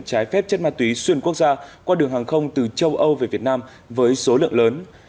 trái phép chất ma túy xuyên quốc gia qua đường hàng không từ châu âu về việt nam với số lượng lớn